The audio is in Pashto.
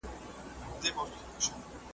ور نیژدې یوه جاله سوه په څپو کي .